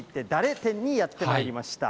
展にやってまいりました。